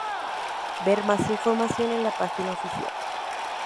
Ver más información en la página oficial